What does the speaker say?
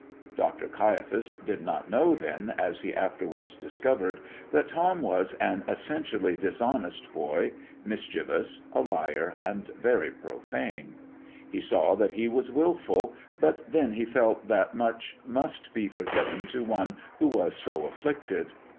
Dr. Caiaphas did not know then, as he afterwards discovered, that Tom was an essentially dishonest boy, mischievous, a liar, and very profane. He saw that he was wilful, but then he felt that much must be forgiven to one who was so afflicted.